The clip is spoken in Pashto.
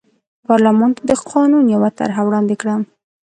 پارلمان ته د قانون یوه طرحه وړاندې کړه.